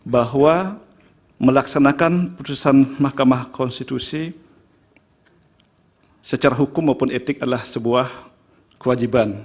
bahwa melaksanakan putusan mahkamah konstitusi secara hukum maupun etik adalah sebuah kewajiban